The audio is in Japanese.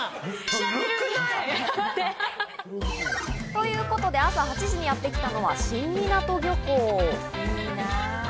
ということで朝８時にやってきたのは新湊漁港。